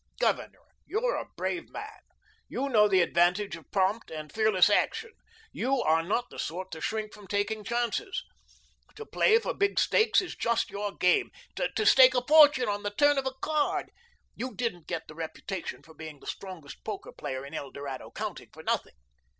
Governor, you're a brave man. You know the advantage of prompt and fearless action. You are not the sort to shrink from taking chances. To play for big stakes is just your game to stake a fortune on the turn of a card. You didn't get the reputation of being the strongest poker player in El Dorado County for nothing.